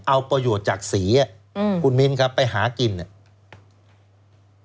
เอาประโยชน์จากสีอ่ะอืมคุณมิ้นครับไปหากินเนี่ย